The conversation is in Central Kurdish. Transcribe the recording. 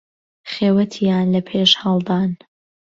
خێوهتیان له پێش ههڵدان